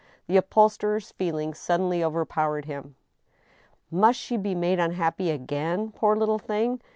The upholsterer's feelings suddenly overpowered him. " Must she be made unhappy again, poor little thing